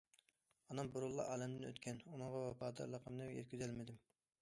ئانام بۇرۇنلا ئالەمدىن ئۆتكەن، ئۇنىڭغا ۋاپادارلىقىمنى يەتكۈزەلمىدىم.